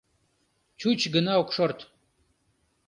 Чуч гына ок шорт.